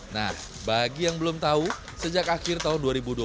nah bagi yang belum tahu sejak akhir tahun dua ribu dua puluh